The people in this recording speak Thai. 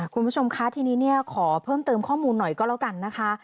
คุณผู้ชมคะทีนี้เนี่ยขอเพิ่มเติมข้อมูลหน่อยก็แล้วกันนะคะ